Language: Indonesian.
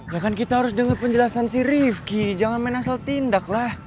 ya kan kita harus dengar penjelasan si rifki jangan main asal tindak lah